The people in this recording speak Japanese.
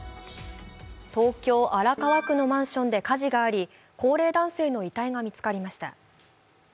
東京・荒川区のマンションで火事があり高齢男性の遺体が見つかりました。